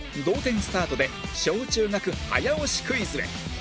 同点スタートで小・中学早押しクイズへ